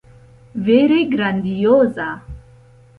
Vere grandioza!